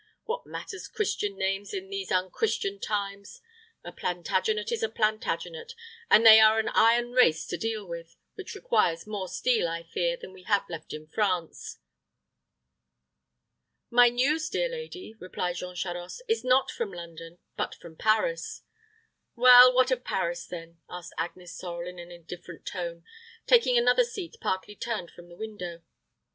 What matters Christian names in these unchristian times? A Plantagenet is a Plantagenet; and they are an iron race to deal with, which requires more steel, I fear, than we have left in France." "My news, dear lady," replied Jean Charost, "is not from London, but from Paris." "Well, what of Paris, then?" asked Agnes Sorel, in an indifferent tone, taking another seat partly turned from the window.